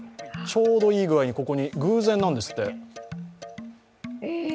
ちょうどいい具合に、偶然なんですって。